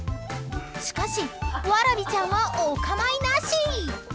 しかし、わらびちゃんはお構いなし。